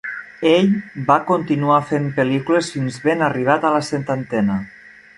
Ell va continuar fent pel·lícules fins ben arribat a la setantena.